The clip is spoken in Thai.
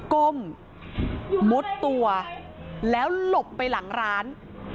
ก้มมุดตัวแล้วหลบไปหลังร้าน